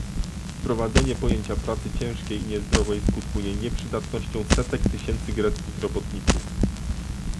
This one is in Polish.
Wprowadzenie pojęcia pracy ciężkiej i niezdrowej skutkuje nieprzydatnością setek tysięcy greckich robotników